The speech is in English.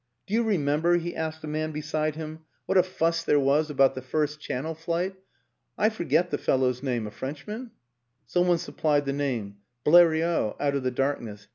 " Do you remember," he asked a man beside him, " what a fuss there was about the first Channel flight? I forget the fellow's name a Frenchman? " Some one supplied the name, " Bleriot," out of the darkness.